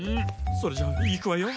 それじゃいくわよ。